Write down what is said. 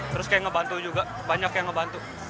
terus kayak ngebantu juga banyak yang ngebantu